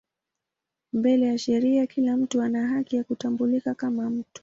Mbele ya sheria kila mtu ana haki ya kutambulika kama mtu.